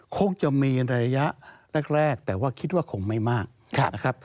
คงจะมีระยะแรกแต่ว่าคิดว่าคงไม่มากนะครับ